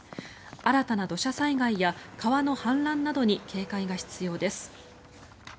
新たな土砂災害や川の氾濫などに警戒が必要です。